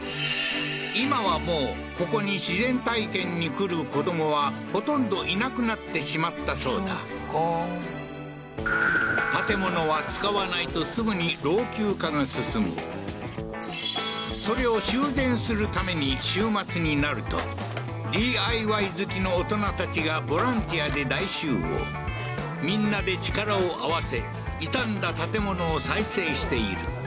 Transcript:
今はもうここに自然体験に来る子供はほとんどいなくなってしまったそうだ建物は使わないとすぐに老朽化が進むそれを修繕するために週末になるとＤＩＹ好きの大人たちがボランティアで大集合みんなで力を合わせ傷んだ建物を再生している